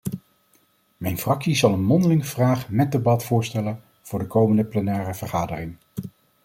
Mijn fractie zal een mondelinge vraag met debat voorstellen voor de komende plenaire vergadering.